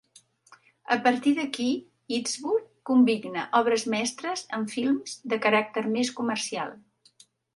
A partir d'aquí Eastwood combina obres mestres amb films de caràcter més comercial.